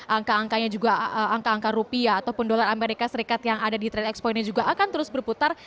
angka angkanya juga angka angka rupiah ataupun dolar amerika serikat yang ada di trade expo ini juga akan terus berputar